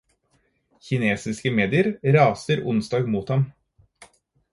Kinesiske medier raser onsdag mot ham.